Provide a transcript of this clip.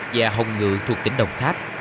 và hồng ngự thuộc tỉnh đồng tháp